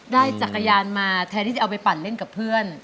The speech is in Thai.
จักรยานมาแทนที่จะเอาไปปั่นเล่นกับเพื่อน